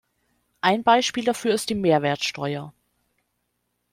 Ein Beispiel dafür ist die Mehrwertsteuer.